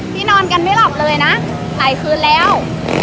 นอนกันไม่หลับเลยนะหลายคืนแล้ว